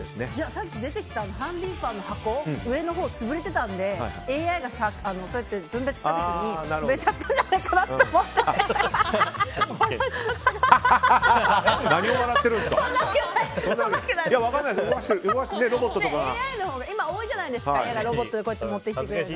さっき出てきたハンディーファンの箱上のほう潰れていたのでＡＩが分別した時に分別した時に潰れちゃったんじゃないかなと笑っちゃってる。